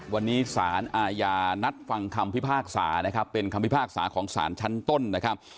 วันนี้สารอาญานัดฟังคำพิพากษานะครับเป็นคำพิพากษาของสารชั้นต้นนะครับ